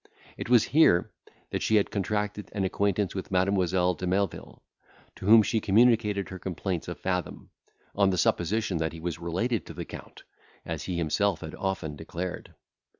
It was here she had contracted an acquaintance with Mademoiselle de Melvil, to whom she communicated her complaints of Fathom, on the supposition that he was related to the Count, as he himself had often declared.